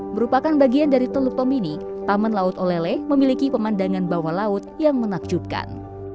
merupakan bagian dari teluk tomini taman laut olele memiliki pemandangan bawah laut yang menakjubkan